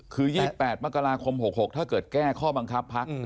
คือ๒๘มกราคม๖๖ถ้าเกิดแก้ข้อบังคับพัก